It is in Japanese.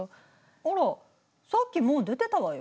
あらさっきもう出てたわよ。